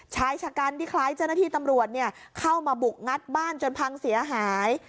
ชายชะกันที่คล้ายเจ้าหน้าที่ตำรวจเข้ามาบุกงัดบ้านจนพังเสียหาย